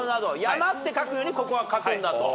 山って書くふうにここは書くんだと。